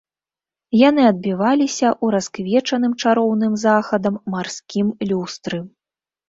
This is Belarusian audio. Яны адбіваліся ў расквечаным чароўным захадам марскім люстры.